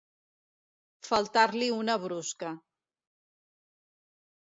Faltar-li una brusca.